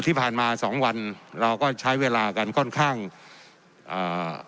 ที่ผ่านมาสองวันเราก็ใช้เวลากันค่อนข้างอ่า